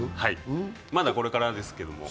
まだこれからですけど。